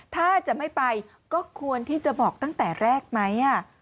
ถ้าจะไม่ไปก็ควรที่จะบอกตั้งแต่แรกไหม